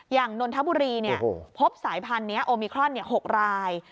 อย่างนนทบุรีเนี่ยพบสายพันธุ์โอมิครอน๖ราย